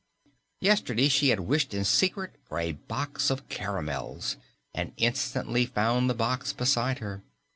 Yesterday she had wished in secret for a box of caramels, and instantly found the box beside her.